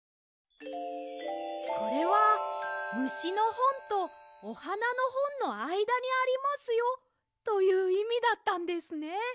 これは「『むしのほん』と『おはなのほん』のあいだにありますよ」といういみだったんですね。